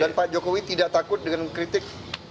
dan pak jokowi tidak takut dengan kritik